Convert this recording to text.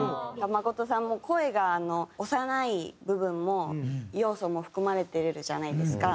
真琴さんも声が幼い部分も要素も含まれているじゃないですか。